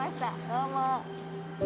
どうも。